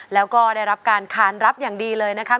แล้วก็ได้รับการคานรับอย่างดีเลยนะครับ